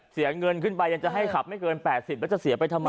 เสียเงินขึ้นไปยังจะให้ขับไม่เกิน๘๐แล้วจะเสียไปทำไม